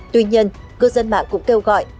tuy nhiên cư dân mạng cũng kêu gọi